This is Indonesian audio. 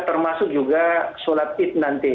termasuk juga sholat id nanti